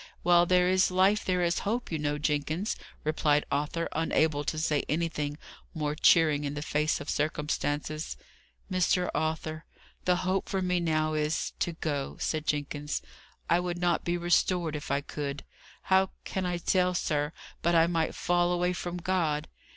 "While there is life there is hope, you know, Jenkins," replied Arthur, unable to say anything more cheering in the face of circumstances. "Mr. Arthur, the hope for me now is, to go," said Jenkins. "I would not be restored if I could. How can I tell, sir, but I might fall away from God?